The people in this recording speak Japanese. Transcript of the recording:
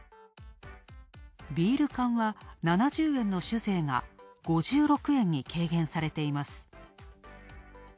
ビール缶は、酒税が５６円に軽減されています。